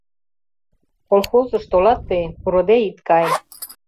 Колхозыш толат тый, пурыде ит кай.